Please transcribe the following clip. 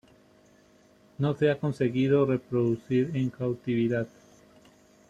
No se ha conseguido reproducir en cautividad.